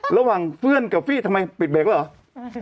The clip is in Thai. ระหว่างเพื่อนกับฟี่ทำไมปิดเบรกแล้วเหรอ